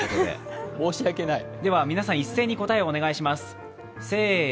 では、皆さん一斉に答えをお願いします。